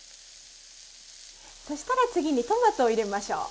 そしたら次にトマトを入れましょう。